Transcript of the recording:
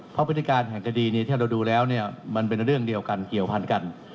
เพราะพฤติการแห่งคดีถ้าเราดูแล้วมันเป็นเรื่องเดียวกันเกี่ยวพันกัน